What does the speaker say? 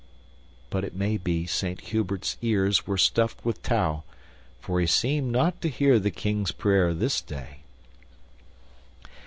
But it may be Saint Hubert's ears were stuffed with tow, for he seemed not to hear the King's prayer this day.